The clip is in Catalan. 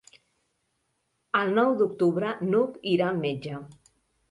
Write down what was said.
El nou d'octubre n'Hug irà al metge.